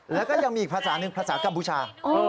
แล้วก็ยังมีอีกภาษาหนึ่งภาษากัมพูชา